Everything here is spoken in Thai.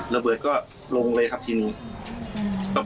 ระเบิดก็ลงไปนิดนึง